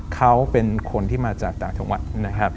เขาเป็นคนที่มาจากต่างจังหวัดนะครับ